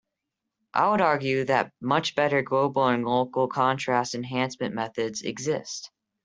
I would argue that much better global and local contrast enhancement methods exist.